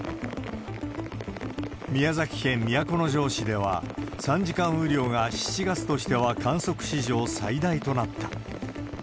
宮崎県都城市では、３時間雨量が７月としては観測史上最大となった。